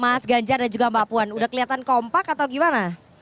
mas ganjar dan juga mbak puan udah kelihatan kompak atau gimana